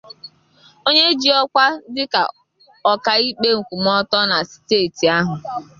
onye ji ọkwa dịka ọkaikpe nkwụmọtọ na steeti ahụ